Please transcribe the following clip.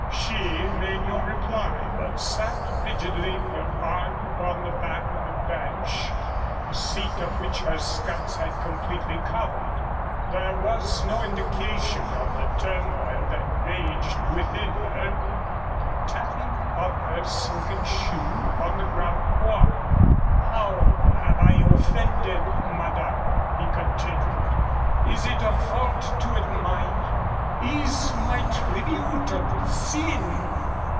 She made no reply, but sat rigidly, her arm upon the back of the bench, the seat of which her skirts had completely covered. There was no indication of the turmoil that raged within her but the tapping of her silken shoe upon the graveled walk. "How have I offended, madame?" he continued. "Is it a fault to admire? Is my tribute a sin?